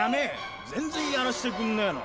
全然やらしてくんねぇの。